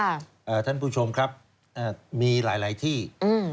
ท่านผู้ชมครับอ่ามีหลายหลายที่อืม